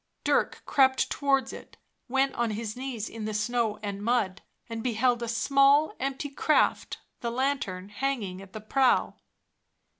Dirk crept towards it, went on his knees in the snow and mud, and beheld a small, empty craft, the lantern hanging at the prow.